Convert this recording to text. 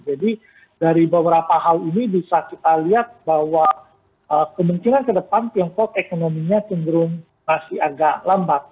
jadi dari beberapa hal ini bisa kita lihat bahwa kemungkinan ke depan tiongkok ekonominya cenderung masih agak lambat